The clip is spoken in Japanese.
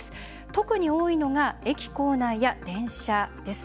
特に多いのが、駅構内や電車です。